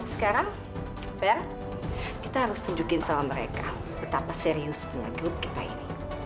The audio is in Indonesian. sekarang fera kita harus tunjukin sama mereka betapa serius dengan hidup kita ini